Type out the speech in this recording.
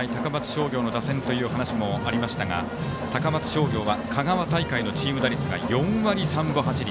商業の打線という話もありましたが高松商業は香川大会のチーム打率が４割３分８厘。